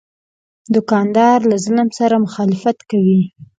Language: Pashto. دوکاندار له ظلم سره مخالفت کوي.